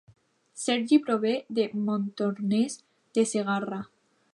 Sergi prové de Montornès de Segarra